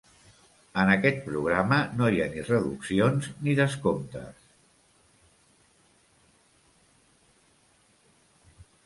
En aquest programa no hi ha ni reduccions ni descomptes.